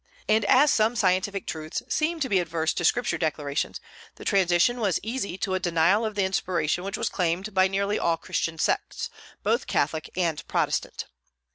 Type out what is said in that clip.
And as some scientific truths seemed to be adverse to Scripture declarations, the transition was easy to a denial of the inspiration which was claimed by nearly all Christian sects, both Catholic and Protestant.